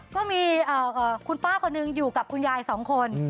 ก็มีคุณป้าคนหนึ่งอยู่กับคุณยายสองคน